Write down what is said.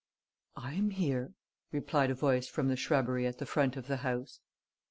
"I am here," replied a voice from the shrubbery at the front of the house.